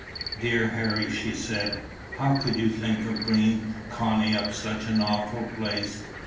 "Dear Harry," she said, "how could you think of bringing Connie up such an awful place?